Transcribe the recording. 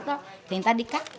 thì người ta đi cắt